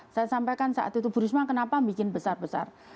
saya sampaikan saat itu bu risma kenapa bikin besar besar